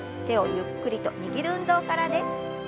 手をゆっくりと握る運動からです。